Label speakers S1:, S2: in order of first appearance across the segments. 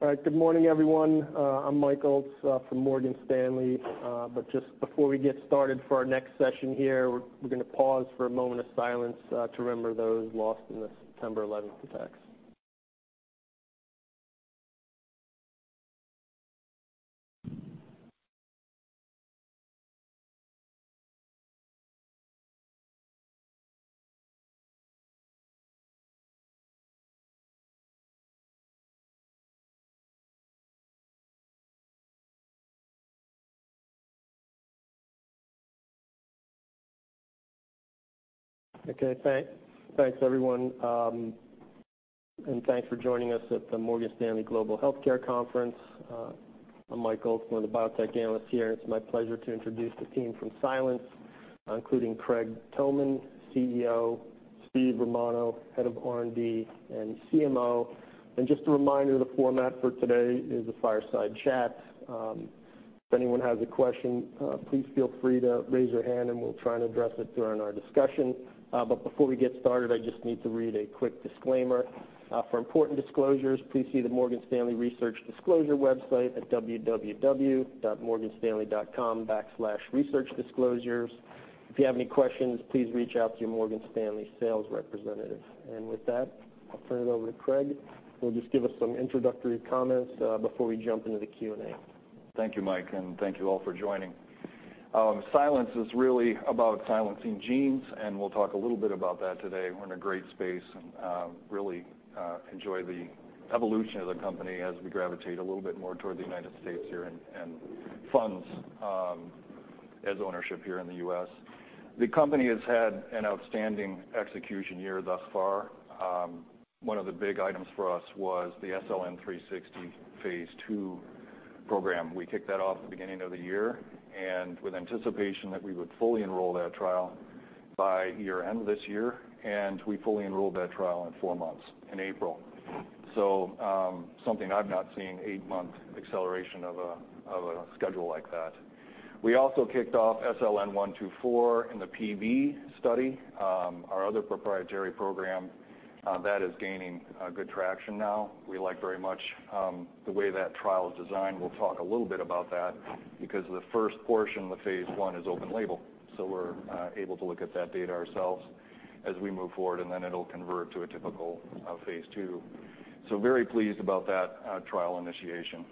S1: All right. Good morning, everyone. I'm Mike Ulz from Morgan Stanley. But just before we get started for our next session here, we're gonna pause for a moment of silence to remember those lost in the September 11 attacks. Okay, thanks, thanks, everyone. Thanks for joining us at the Morgan Stanley Global Healthcare Conference. I'm Mike Ulz, one of the biotech analysts here, and it's my pleasure to introduce the team from Silence, including Craig Tooman, Chief Executive Officer, Steven Romano, Head of R&D and Chief Medical Officer. Just a reminder, the format for today is a fireside chat. If anyone has a question, please feel free to raise your hand, and we'll try and address it during our discussion. But before we get started, I just need to read a quick disclaimer. For important disclosures, please see the Morgan Stanley Research Disclosure website at www.morganstanley.com/researchdisclosures. If you have any questions, please reach out to your Morgan Stanley sales representative." With that, I'll turn it over to Craig, who will just give us some introductory comments before we jump into the Q&A.
S2: Thank you, Mike, and thank you all for joining. Silence is really about silencing genes, and we'll talk a little bit about that today. We're in a great space and really enjoy the evolution of the company as we gravitate a little bit more toward the United States here and funds as ownership here in the U.S. The company has had an outstanding execution year thus far. One of the big items for us was the SLN360 phase II program. We kicked that off at the beginning of the year, and with anticipation that we would fully enroll that trial by year-end this year, and we fully enrolled that trial in four months, in April. So, something I've not seen, eight-month acceleration of a schedule like that. We also kicked off SLN124 in the PV study. Our other proprietary program, that is gaining good traction now. We like very much the way that trial is designed. We'll talk a little bit about that because the first portion of the phase I is open-label, so we're able to look at that data ourselves as we move forward, and then it'll convert to a typical phase II. So very pleased about that trial initiation.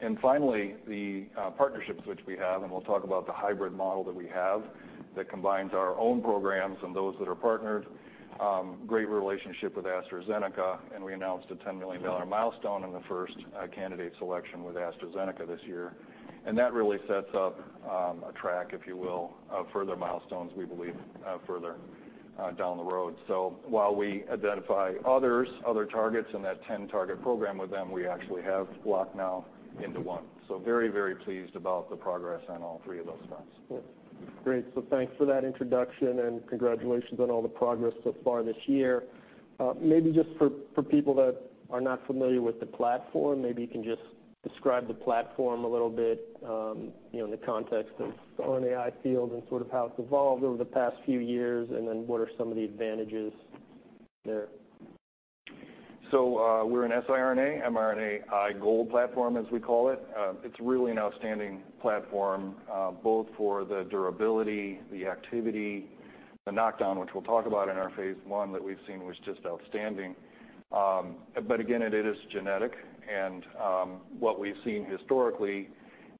S2: And finally, the partnerships which we have, and we'll talk about the hybrid model that we have that combines our own programs and those that are partnered. Great relationship with AstraZeneca, and we announced a $10 million milestone in the first candidate selection with AstraZeneca this year. And that really sets up a track, if you will, of further milestones, we believe, further down the road. So while we identify other targets in that 10-target program with them, we actually have locked now into one. So very pleased about the progress on all three of those fronts.
S1: Yeah. Great. So thanks for that introduction, and congratulations on all the progress so far this year. Maybe just for people that are not familiar with the platform, maybe you can just describe the platform a little bit, you know, in the context of the RNAi field and sort of how it's evolved over the past few years, and then what are some of the advantages there?
S2: So, we're an siRNA, mRNAi GOLD platform, as we call it. It's really an outstanding platform, both for the durability, the activity, the knockdown, which we'll talk about in our phase I, that we've seen was just outstanding. But again, it is genetic, and, what we've seen historically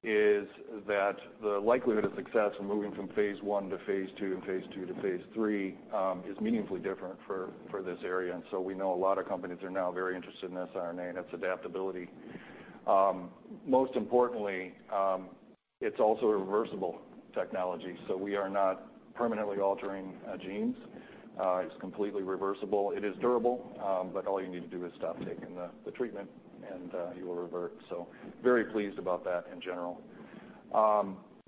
S2: is that the likelihood of success in moving from phase I to phase II and phase II to phase III, is meaningfully different for, for this area, and so we know a lot of companies are now very interested in siRNA and its adaptability. Most importantly, it's also a reversible technology, so we are not permanently altering genes. It's completely reversible. It is durable, but all you need to do is stop taking the treatment, and, you will revert. So very pleased about that in general.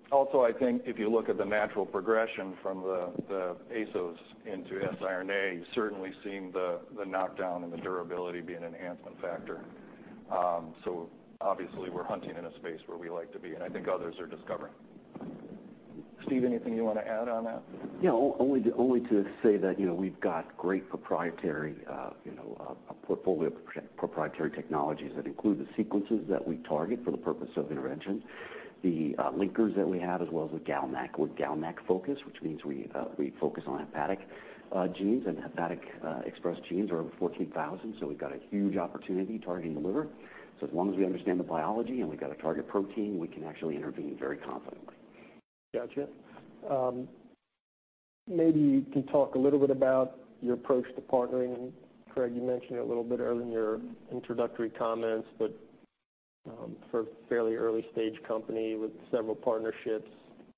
S2: Also, I think if you look at the natural progression from the ASOs into siRNA, you've certainly seen the knockdown and the durability be an enhancement factor. So obviously, we're hunting in a space where we like to be, and I think others are discovering.
S1: Steve, anything you want to add on that?
S3: Yeah, only to say that, you know, we've got great proprietary, you know, a portfolio of proprietary technologies that include the sequences that we target for the purpose of intervention, the linkers that we have, as well as the GalNAc, with GalNAc focus, which means we focus on hepatic genes, and hepatic expressed genes are over 14,000, so we've got a huge opportunity targeting the liver. So as long as we understand the biology, and we've got a target protein, we can actually intervene very confidently.
S1: Gotcha. Maybe you can talk a little bit about your approach to partnering. Craig, you mentioned it a little bit earlier in your introductory comments, but, for a fairly early-stage company with several partnerships,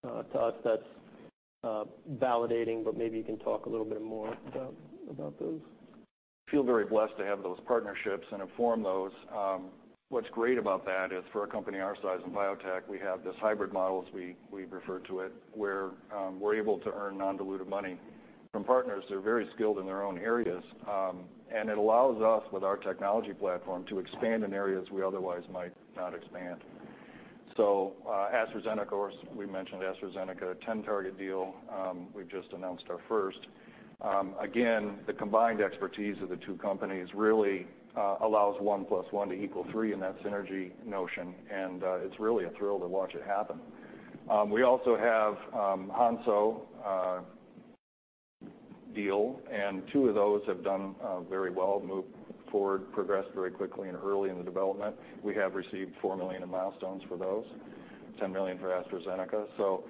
S1: to us, that's validating, but maybe you can talk a little bit more about those.
S2: Feel very blessed to have those partnerships and from those. What's great about that is, for a company our size in biotech, we have this hybrid model, as we refer to it, where we're able to earn non-dilutive money from partners who are very skilled in their own areas. And it allows us, with our technology platform, to expand in areas we otherwise might not expand. So, AstraZeneca, as we mentioned AstraZeneca, a 10-target deal. We've just announced our first. Again, the combined expertise of the two companies really allows 1 + 1 = 3 in that synergy notion, and it's really a thrill to watch it happen. We also have Hansoh deal, and two of those have done very well, moved forward, progressed very quickly and early in the development. We have received $4 million in milestones for those, $10 million for AstraZeneca. So,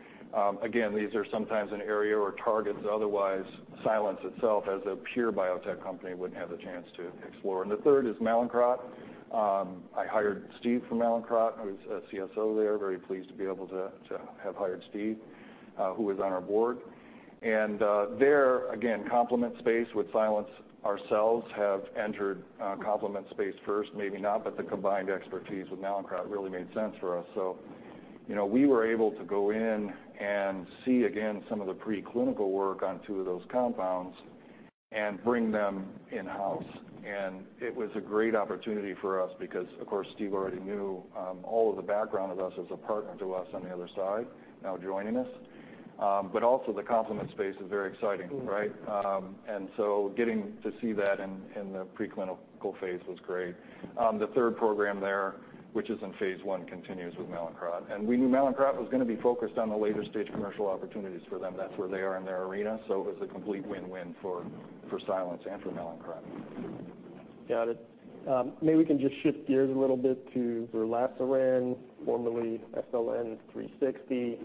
S2: again, these are sometimes an area where targets otherwise Silence itself, as a pure biotech company, wouldn't have the chance to explore. And the third is Mallinckrodt. I hired Steve from Mallinckrodt, who's a CSO there. Very pleased to be able to have hired Steve, who is on our board. And, there, again, complement space with Silence ourselves have entered, complement space first, maybe not, but the combined expertise with Mallinckrodt really made sense for us. So, you know, we were able to go in and see again some of the preclinical work on two of those compounds and bring them in-house. It was a great opportunity for us because, of course, Steve already knew all of the background of us as a partner to us on the other side, now joining us. But also the complement space is very exciting, right? And so getting to see that in the preclinical phase was great. The third program there, which is in phase I, continues with Mallinckrodt. We knew Mallinckrodt was gonna be focused on the later stage commercial opportunities for them. That's where they are in their arena, so it was a complete win-win for Silence and for Mallinckrodt.
S1: Got it. Maybe we can just shift gears a little bit to zerlasiran, formerly SLN360,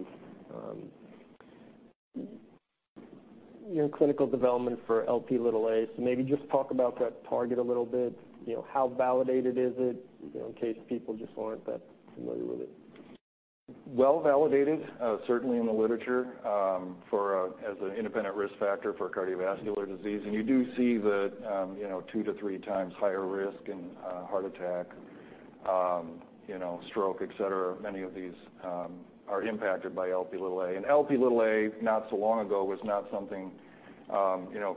S1: you know, clinical development for Lp(a). So maybe just talk about that target a little bit. You know, how validated is it, you know, in case people just aren't that familiar with it?
S2: Well validated, certainly in the literature, for as an independent risk factor for cardiovascular disease. And you do see the, you know, two-three times higher risk in, heart attack, you know, stroke, et cetera. Many of these are impacted by Lp(a). And Lp(a), not so long ago, was not something, you know,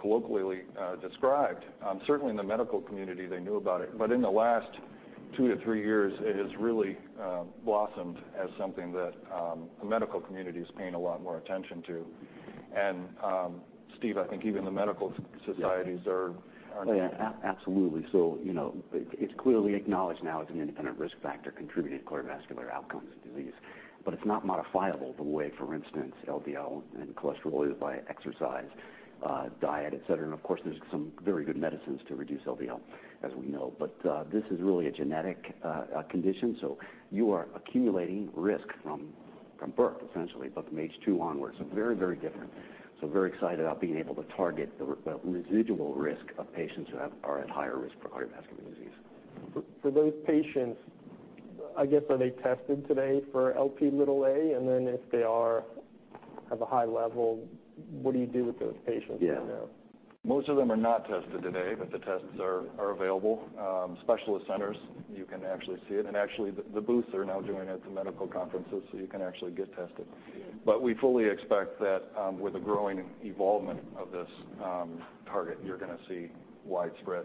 S2: colloquially described. Certainly in the medical community, they knew about it. But in the last two-three years, it has really blossomed as something that the medical community is paying a lot more attention to. And, Steve, I think even the medical societies are-
S3: Yeah, absolutely. So, you know, it's clearly acknowledged now as an independent risk factor contributing to cardiovascular outcomes and disease. But it's not modifiable the way, for instance, LDL and cholesterol is by exercise, diet, et cetera. And of course, there's some very good medicines to reduce LDL, as we know. But this is really a genetic condition, so you are accumulating risk from birth, essentially, but from age two onwards. So very, very different. So very excited about being able to target the residual risk of patients who are at higher risk for cardiovascular disease.
S1: For those patients, I guess, are they tested today for Lp(a)? And then if they are, have a high level, what do you do with those patients right now?
S3: Yeah.
S2: Most of them are not tested today, but the tests are available. Specialist centers, you can actually see it, and actually, the booths are now doing it at the medical conferences, so you can actually get tested. But we fully expect that, with the growing evolvement of this target, you're gonna see widespread.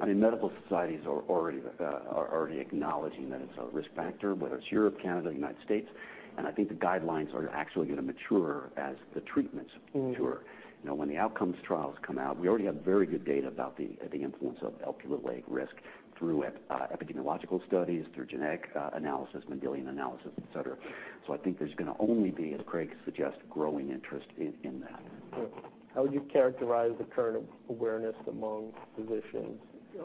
S3: I mean, medical societies are already acknowledging that it's a risk factor, whether it's Europe, Canada, United States, and I think the guidelines are actually gonna mature as the treatments mature. You know, when the outcomes trials come out, we already have very good data about the influence of Lp(a) risk through epidemiological studies, through genetic analysis, Mendelian analysis, et cetera. So I think there's gonna only be, as Craig suggests, growing interest in that.
S1: Good. How would you characterize the current awareness among physicians?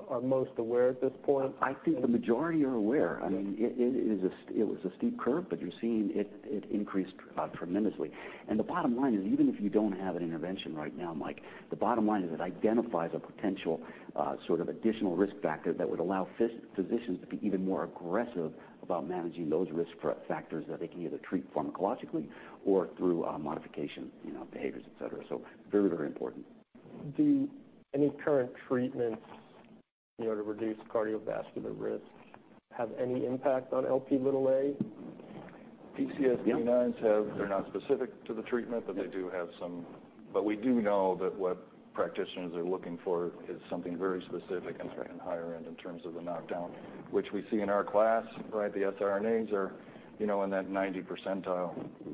S1: Are most aware at this point?
S3: I think the majority are aware.
S1: Yeah.
S3: I mean, it was a steep curve, but you're seeing it, it increased tremendously. And the bottom line is, even if you don't have an intervention right now, Mike, the bottom line is it identifies a potential sort of additional risk factor that would allow physicians to be even more aggressive about managing those risk factors that they can either treat pharmacologically or through modification, you know, behaviors, et cetera. So very important.
S1: Do any current treatments, you know, to reduce cardiovascular risk, have any impact on Lp(a)?
S2: PCSK9s have-
S3: Yeah.
S2: They're not specific to the treatment-
S3: Yeah.
S2: But we do know that what practitioners are looking for is something very specific-
S3: That's right....
S2: and higher end in terms of the knockdown, which we see in our class, right? The siRNAs are, you know, in that 90%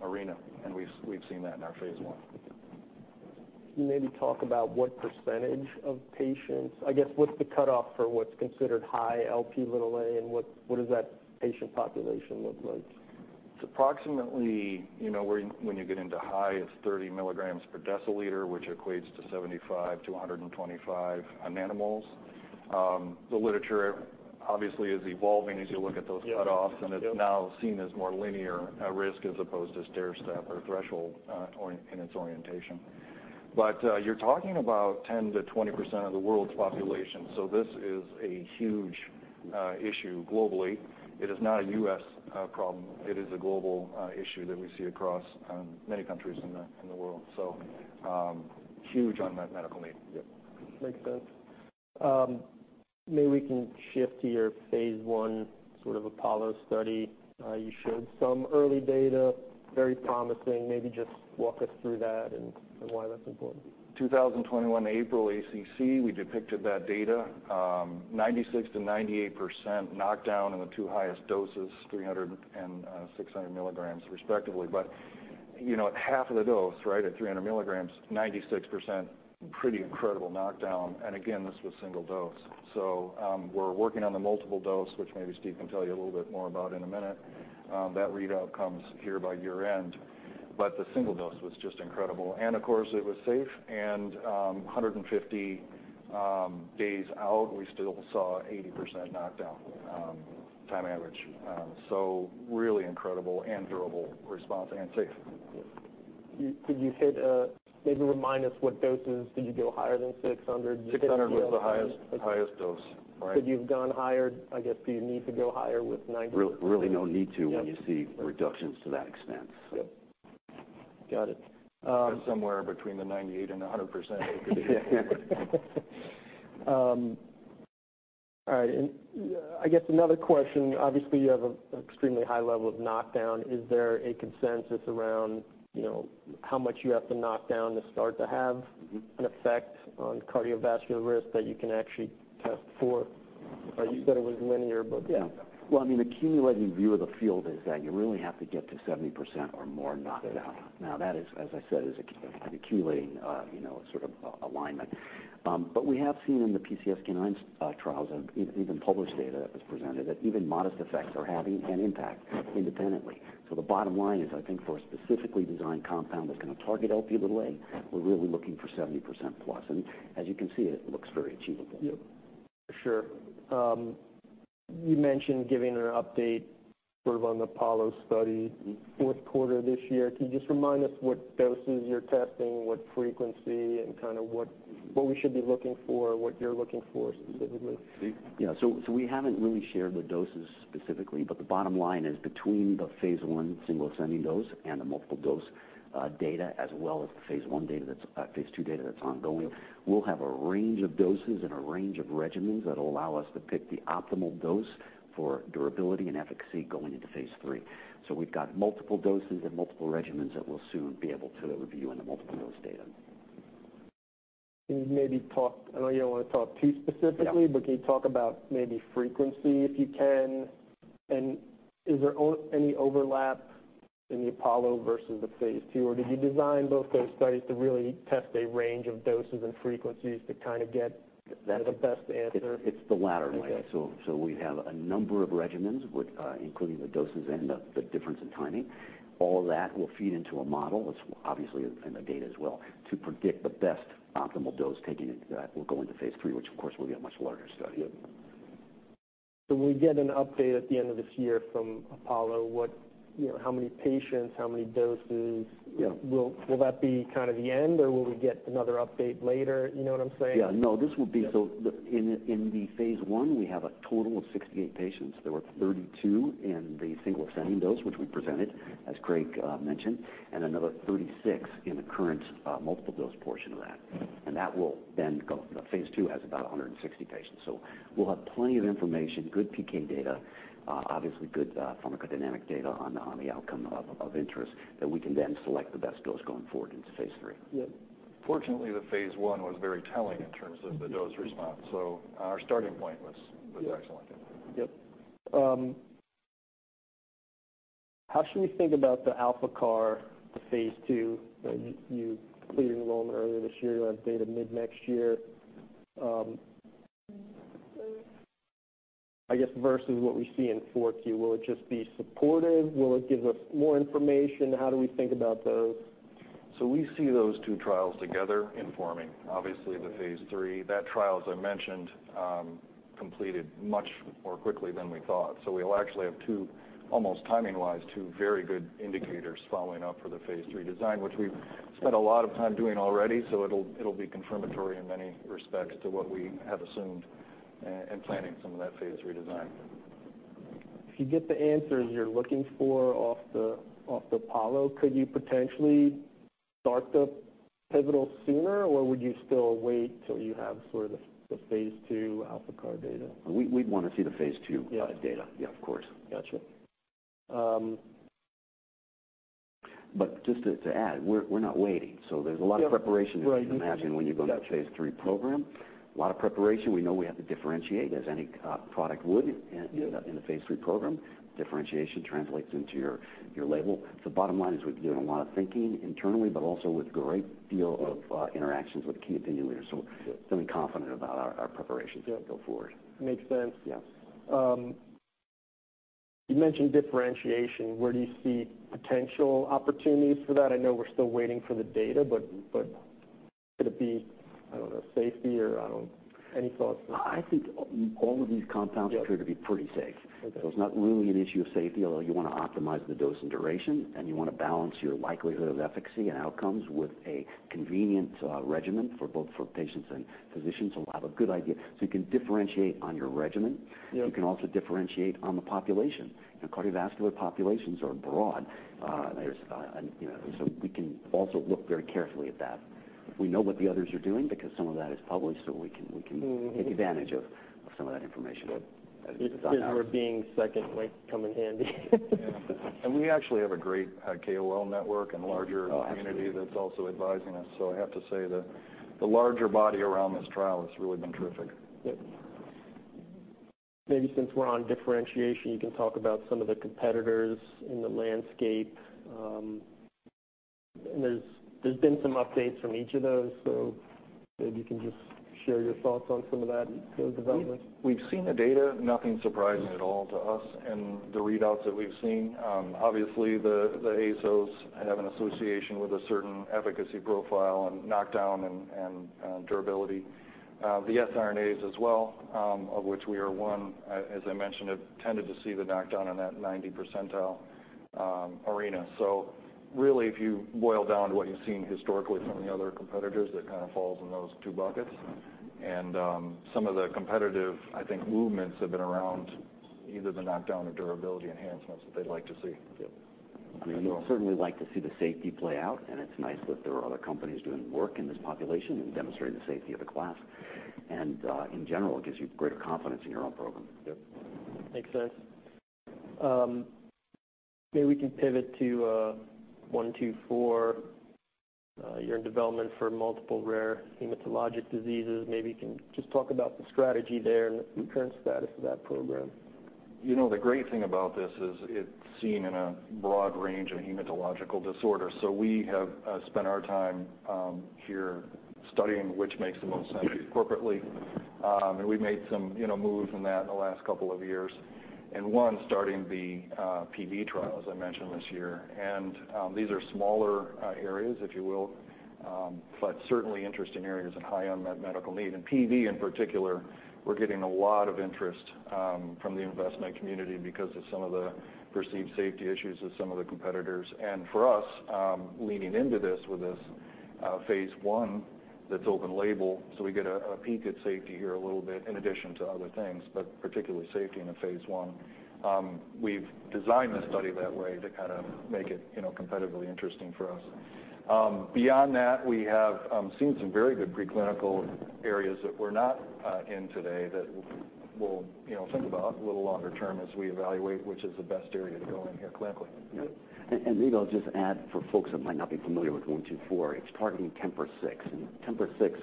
S2: arena, and we've seen that in our phase I.
S1: Can you maybe talk about what percentage of patients, I guess, what's the cutoff for what's considered high Lp(a), and what does that patient population look like?
S2: It's approximately, you know, when you get into high, it's 30mg per deciliter, which equates to 75 to 125 nanomoles. The literature obviously is evolving as you look at those cutoffs-
S1: Yeah. Yep...
S2: and it's now seen as more linear at risk, as opposed to stairstep or threshold, in its orientation. But, you're talking about 10%-20% of the world's population, so this is a huge issue globally. It is not a U.S. problem. It is a global issue that we see across many countries in the world. So, huge on that medical need.
S3: Yep.
S1: Makes sense. Maybe we can shift to your phase I sort of APOLLO study. You showed some early data, very promising. Maybe just walk us through that and why that's important.
S2: 2021, April ACC, we depicted that data. 96% to 98% knockdown in the two highest doses, 300 and 600 mg, respectively. But you know, at half of the dose, right, at 300 mg, 96%, pretty incredible knockdown. And again, this was single dose. So, we're working on the multiple-dose, which maybe Steve can tell you a little bit more about in a minute. That readout comes here by year-end, but the single dose was just incredible. And of course, it was safe and 150 days out, we still saw 80% knockdown, time average. So really incredible and durable response and safe.
S1: Yep. Did you, could you hit, maybe remind us what doses, did you go higher than 600?
S2: 600 was the highest dose. Right.
S1: Could you have gone higher? I guess, do you need to go higher with nine-
S3: Really no need to when you see reductions to that extent.
S1: Yep. Got it.
S2: Somewhere between 98% and 100%.
S1: All right. I guess another question, obviously, you have an extremely high level of knockdown. Is there a consensus around, you know, how much you have to knock down to start to have an effect on cardiovascular risk that you can actually test for? You said it was linear, but-
S3: Yeah. Well, I mean, the accumulating view of the field is that you really have to get to 70% or more knockdown.
S1: Got it.
S3: Now, that is, as I said, is accumulating, you know, sort of alignment. But we have seen in the PCSK9 trials and even published data that was presented, that even modest effects are having an impact independently. So the bottom line is, I think for a specifically designed compound that's going to target Lp(a), we're really looking for 70%+. And as you can see, it looks very achievable.
S1: Yep. Sure. You mentioned giving an update sort of on APOLLO study Q4 this year. Can you just remind us what doses you're testing, what frequency, and kind of what we should be looking for, what you're looking for specifically?
S3: Yeah. So, we haven't really shared the doses specifically, but the bottom line is between the phase I single ascending-dose and the multiple-dose data, as well as the phase I data that's phase II data that's ongoing, we'll have a range of doses and a range of regimens that will allow us to pick the optimal dose for durability and efficacy going into phase III. So we've got multiple-doses and multiple regimens that we'll soon be able to review in the multiple-dose data.
S1: Can you maybe talk? I know you don't want to talk too specifically-
S3: Yeah...
S1: but can you talk about maybe frequency, if you can? And is there any overlap in the APOLLO versus the phase II, or did you design both those studies to really test a range of doses and frequencies to kind of get the best answer?
S3: It's the latter way.
S1: Okay.
S3: So, we have a number of regimens with, including the doses and the difference in timing. All that will feed into a model, as obviously in the data as well, to predict the best optimal dose taking it, that will go into phase III, which, of course, will be a much larger study.
S1: Yep. So we get an update at the end of this year from APOLLO. What, you know, how many patients, how many doses?
S3: Yeah.
S1: Will that be kind of the end, or will we get another update later? You know what I'm saying?
S3: Yeah. No, this will be-
S1: Yeah.
S3: So, in the phase I, we have a total of 68 patients. There were 32 in the single ascending-dose, which we presented, as Craig mentioned, and another 36 in the current multiple-dose portion of that. And that will then go... The phase II has about 160 patients. So we'll have plenty of information, good PK data, obviously good pharmacodynamic data on the outcome of interest, that we can then select the best dose going forward into phase III.
S1: Yep.
S2: Fortunately, the phase I was very telling in terms of the dose response, so our starting point was excellent.
S1: Yep. How should we think about the ALPACAR, the phase II? You, you completed enrollment earlier this year. You have data mid-next year. I guess versus what we see in Four Q, will it just be supportive? Will it give us more information? How do we think about those?
S2: So we see those two trials together informing, obviously, the Phase III. That trial, as I mentioned, completed much more quickly than we thought. So we'll actually have two, almost timing-wise, two very good indicators following up for the Phase III design, which we've spent a lot of time doing already. So it'll be confirmatory in many respects to what we have assumed in planning some of that Phase III design.
S1: If you get the answers you're looking for off the APOLLO, could you potentially start the pivotal sooner, or would you still wait till you have sort of the phase II ALPACAR data?
S3: We'd want to see the Phase II-
S1: Yeah...
S3: data. Yeah, of course.
S1: Gotcha. Um-
S3: But just to add, we're not waiting, so there's a lot of preparation-
S1: Yeah. Right...
S3: as you can imagine, when you go into a phase III program. A lot of preparation. We know we have to differentiate, as any product would in a phase III program. Differentiation translates into your label. The bottom line is we're doing a lot of thinking internally, but also with a great deal of interactions with key opinion leaders. So-
S1: Yeah....
S3: feeling confident about our preparations-
S1: Yeah....
S3: going forward.
S1: Makes sense.
S3: Yeah.
S1: You mentioned differentiation. Where do you see potential opportunities for that? I know we're still waiting for the data, but could it be, I don't know, safety or... Any thoughts?
S3: I think all of these compounds-
S1: Yeah....
S3: appear to be pretty safe.
S1: Okay.
S3: So it's not really an issue of safety, although you want to optimize the dose and duration, and you want to balance your likelihood of efficacy and outcomes with a convenient regimen for both for patients and physicians. So I have a good idea. So you can differentiate on your regimen.
S1: Yeah.
S3: You can also differentiate on the population. Cardiovascular populations are broad. There's, you know, so we can also look very carefully at that. We know what the others are doing because some of that is published, so we can take advantage of some of that information.
S1: Yep.
S3: As we sign that.
S1: Being second might come in handy.
S2: Yeah. And we actually have a great, KOL network and larger-
S3: Oh, absolutely...
S2: community that's also advising us. So I have to say that the larger body around this trial has really been terrific.
S1: Yep, maybe since we're on differentiation, you can talk about some of the competitors in the landscape. And there's been some updates from each of those, so maybe you can just share your thoughts on some of that development.
S2: We've seen the data, nothing surprising at all to us and the readouts that we've seen. Obviously, the ASOs have an association with a certain efficacy profile and knockdown and durability. The siRNAs as well, of which we are one, as I mentioned, have tended to see the knockdown in that 90% arena. So really, if you boil down to what you've seen historically from the other competitors, that kind of falls in those two buckets. And some of the competitive, I think, movements have been around either the knockdown or durability enhancements that they'd like to see.
S3: Yep. I mean, we certainly like to see the safety play out, and it's nice that there are other companies doing work in this population and demonstrating the safety of the class. And, in general, it gives you greater confidence in your own program.
S2: Yep.
S1: Makes sense. Maybe we can pivot to SLN124. You're in development for multiple rare hematological diseases. Maybe you can just talk about the strategy there and the current status of that program.
S2: You know, the great thing about this is it's seen in a broad range of hematological disorders. So we have spent our time here studying, which makes the most sense corporately. And we've made some, you know, moves in that in the last couple of years. And one, starting the PV trial, as I mentioned, this year. And these are smaller areas, if you will, but certainly interesting areas and high unmet medical need. And PV, in particular, we're getting a lot of interest from the investment community because of some of the perceived safety issues of some of the competitors. And for us, leaning into this with this Phase I, that's open-label, so we get a peek at safety here a little bit in addition to other things, but particularly safety in a Phase I. We've designed the study that way to kind of make it, you know, competitively interesting for us. Beyond that, we have seen some very good preclinical areas that we're not in today that we'll, you know, think about a little longer term as we evaluate which is the best area to go in here clinically.
S3: Yep. And maybe I'll just add for folks that might not be familiar with SLN124, it's targeting TMPRSS6, and TMPRSS6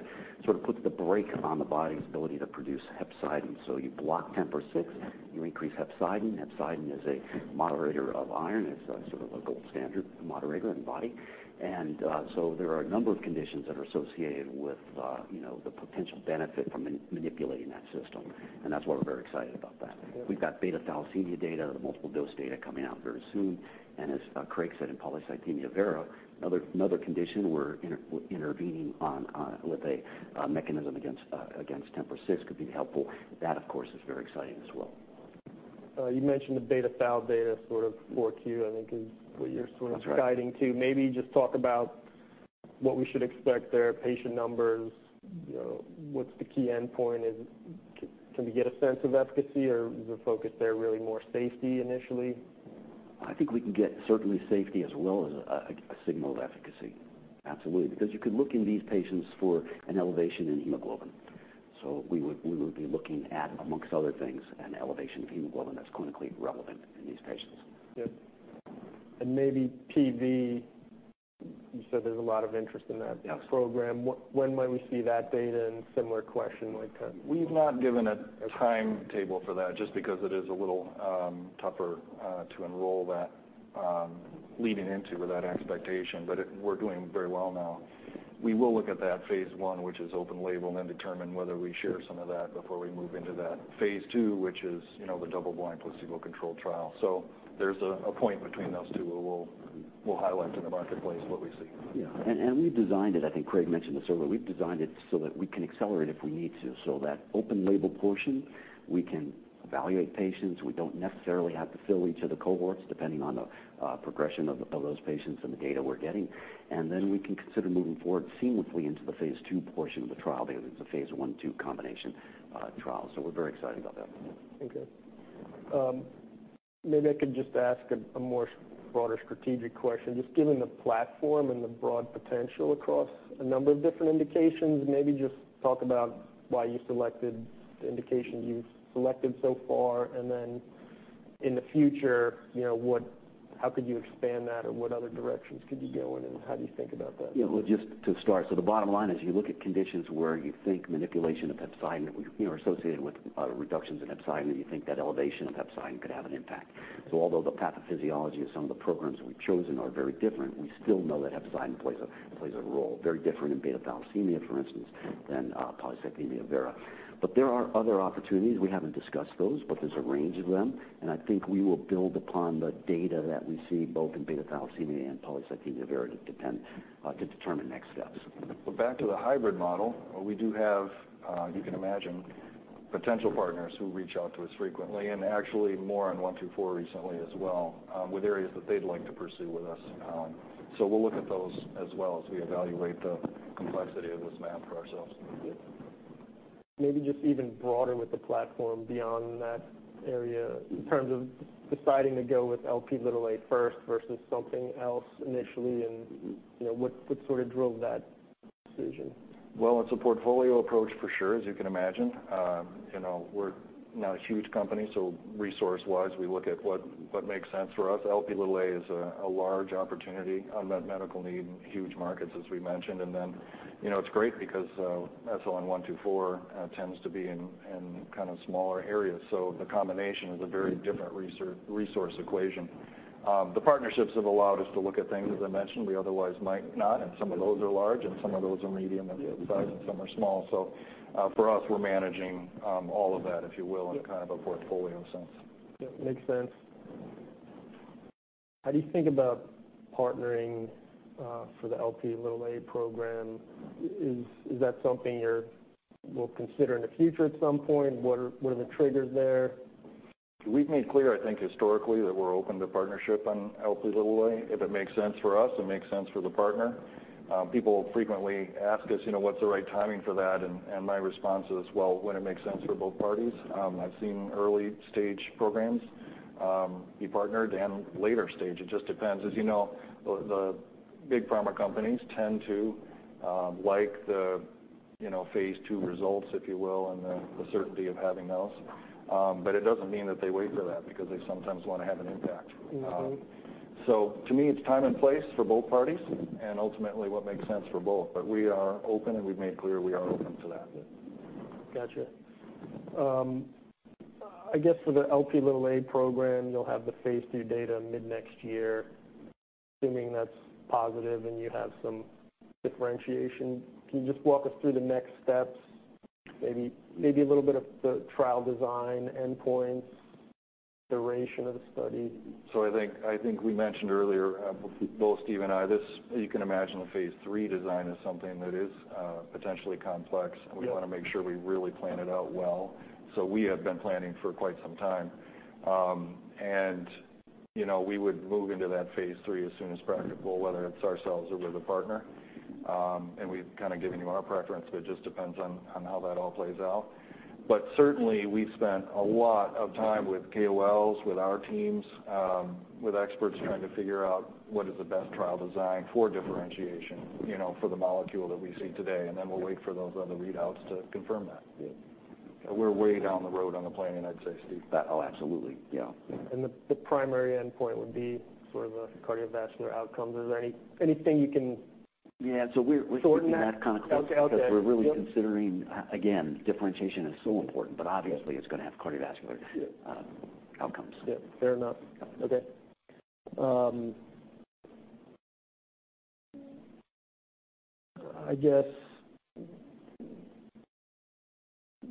S3: sort of puts the brake on the body's ability to produce hepcidin. So you block TMPRSS6, you increase hepcidin. Hepcidin is a moderator of iron. It's a sort of a gold standard moderator in the body. And so there are a number of conditions that are associated with you know, the potential benefit from manipulating that system, and that's why we're very excited about that. We've got beta thalassemia data, the multiple-dose data coming out very soon. And as Craig said, in polycythemia vera, another condition we're intervening on with a mechanism against TMPRSS6 could be helpful. That, of course, is very exciting as well.
S1: You mentioned the beta thal data, sort of 4Q, I think is what you're sort of-
S3: That's right.
S1: Guiding to. Maybe just talk about what we should expect there, patient numbers, you know, what's the key endpoint? And can we get a sense of efficacy, or is the focus there really more safety initially?
S3: I think we can get certainly safety as well as a signal of efficacy. Absolutely. Because you could look in these patients for an elevation in hemoglobin. So we would be looking at, among other things, an elevation of hemoglobin that's clinically relevant in these patients.
S1: Yep. And maybe PV, you said there's a lot of interest in that-
S3: Yes....
S1: program. When might we see that data? And similar question like,
S2: We've not given a timetable for that just because it is a little tougher to enroll that leading into with that expectation, but it. We're doing very well now. We will look at that Phase I, which is open-label, and then determine whether we share some of that before we move into Phase II, which is, you know, the double-blind, placebo-controlled trial. So there's a point between those two where we'll highlight to the marketplace what we see.
S3: Yeah. And we've designed it, I think Craig mentioned this earlier, we've designed it so that we can accelerate if we need to. So that open-label portion, we can evaluate patients. We don't necessarily have to fill each of the cohorts, depending on the progression of those patients and the data we're getting. And then we can consider moving forward seamlessly into the phase II portion of the trial because it's a phase I-II combination trial. So we're very excited about that.
S1: Okay. Maybe I could just ask a more broader strategic question. Just given the platform and the broad potential across a number of different indications, maybe just talk about why you selected the indication you've selected so far, and then in the future, you know, what-- how could you expand that, or what other directions could you go in, and how do you think about that?
S3: Yeah, well, just to start, so the bottom line is you look at conditions where you think manipulation of hepcidin, you know, are associated with reductions in hepcidin, and you think that elevation of hepcidin could have an impact. So although the pathophysiology of some of the programs we've chosen are very different, we still know that hepcidin plays a, plays a role. Very different in beta thalassemia, for instance, than polycythemia vera. But there are other opportunities. We haven't discussed those, but there's a range of them, and I think we will build upon the data that we see both in beta thalassemia and polycythemia vera to depend to determine next steps.
S2: But back to the hybrid model, we do have, you can imagine, potential partners who reach out to us frequently, and actually more on SLN124 recently as well, with areas that they'd like to pursue with us. So we'll look at those as well as we evaluate the complexity of this map for ourselves.
S1: Maybe just even broader with the platform beyond that area, in terms of deciding to go with Lp(a) first versus something else initially, and, you know, what sort of drove that?
S2: Well, it's a portfolio approach for sure, as you can imagine. You know, we're not a huge company, so resource-wise, we look at what makes sense for us. Lp is a large opportunity, unmet medical need in huge markets, as we mentioned. And then, you know, it's great because SLN124 tends to be in kind of smaller areas. So the combination is a very different resource equation. The partnerships have allowed us to look at things, as I mentioned, we otherwise might not, and some of those are large, and some of those are medium in size, and some are small. So, for us, we're managing all of that, if you will, in kind of a portfolio sense.
S1: Yep, makes sense. How do you think about partnering for the Lp program? Is that something you will consider in the future at some point? What are the triggers there?
S2: We've made clear, I think, historically, that we're open to partnership on Lp(a) if it makes sense for us and makes sense for the partner. People frequently ask us, you know, what's the right timing for that? And my response is, well, when it makes sense for both parties. I've seen early-stage programs be partnered and later stage. It just depends. As you know, the big pharma companies tend to like the, you know, phase II results, if you will, and the certainty of having those. But it doesn't mean that they wait for that because they sometimes want to have an impact. So to me, it's time and place for both parties and ultimately, what makes sense for both. But we are open, and we've made clear we are open to that.
S1: Gotcha. I guess for the Lp program, you'll have the phase II data mid-next year. Assuming that's positive and you have some differentiation, can you just walk us through the next steps, maybe, maybe a little bit of the trial design, endpoints, duration of the study?
S2: So I think we mentioned earlier, both Steve and I, this—you can imagine the phase III design is something that is potentially complex-
S1: Yeah.
S2: And we want to make sure we really plan it out well. So we have been planning for quite some time. And, you know, we would move into that phase III as soon as practicable, whether it's ourselves or with a partner. And we've kind of given you our preference, but it just depends on how that all plays out. But certainly, we've spent a lot of time with KOLs, with our teams, with experts trying to figure out what is the best trial design for differentiation, you know, for the molecule that we see today, and then we'll wait for those other readouts to confirm that.
S1: Yeah.
S2: We're way down the road on the planning, I'd say, Steve.
S3: Oh, absolutely. Yeah.
S1: The primary endpoint would be sort of the cardiovascular outcomes. Is there anything you can-
S3: Yeah, so we're-
S1: Shorten that?...
S3: keeping that kind of close-
S1: Okay....
S3: because we're really considering... again, differentiation is so important, but obviously, it's going to have cardiovascular-
S1: Yeah....
S3: um, outcomes.
S1: Yeah, fair enough.
S3: Yeah.
S1: Okay. I guess,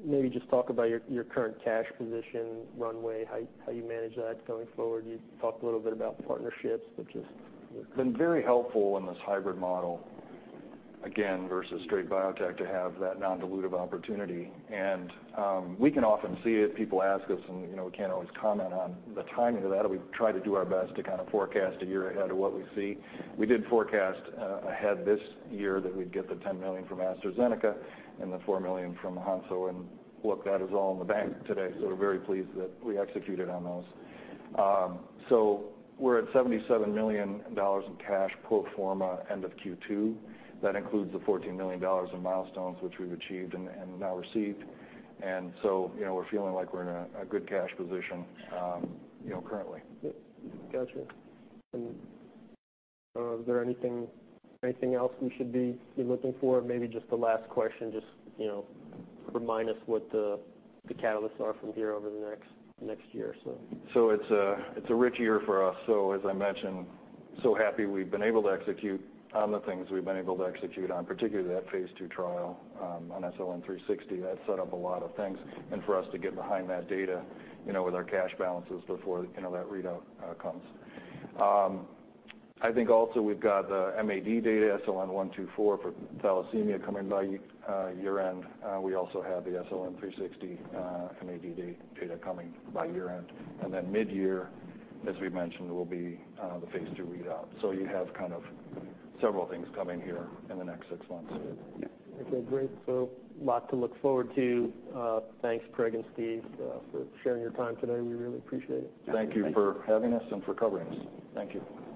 S1: maybe just talk about your current cash position, runway, how you manage that going forward. You talked a little bit about partnerships, but just-
S2: It's been very helpful in this hybrid model, again, versus straight biotech, to have that non-dilutive opportunity. And we can often see it. People ask us, and, you know, we can't always comment on the timing of that. We try to do our best to kind of forecast a year ahead of what we see. We did forecast ahead this year that we'd get the $10 million from AstraZeneca and the $4 million from Hansoh, and look, that is all in the bank today. So we're at $77 million in cash pro forma end of Q2. That includes the $14 million of milestones, which we've achieved and now received. And so, you know, we're feeling like we're in a good cash position, currently.
S1: Yep. Got you. And is there anything else we should be looking for? Maybe just the last question, just, you know, remind us what the catalysts are from here over the next year or so.
S2: So it's a rich year for us. So as I mentioned, so happy we've been able to execute on the things we've been able to execute on, particularly that phase II trial on SLN360. That set up a lot of things, and for us to get behind that data, you know, with our cash balances before, you know, that readout comes. I think also we've got the MAD data, SLN124 for thalassemia coming by year-end. We also have the SLN360 MAD data coming by year-end. And then mid-year, as we mentioned, will be the phase II readout. So you have kind of several things coming here in the next six months.
S3: Yeah.
S1: Okay, great. So a lot to look forward to. Thanks, Craig and Steve, for sharing your time today. We really appreciate it.
S2: Thank you for having us and for covering us. Thank you.